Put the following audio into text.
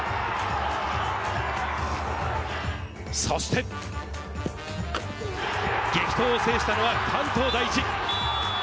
そして、激闘を制したのは関東第一。